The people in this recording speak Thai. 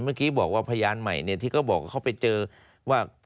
เมื่อกี้บอกว่าพยานใหม่ที่เขาบอกว่าเขาไปเจอว่า